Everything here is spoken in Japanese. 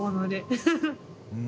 フフフッ。